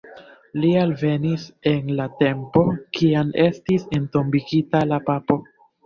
Li alvenis en la tempo, kiam estis entombigita la papo.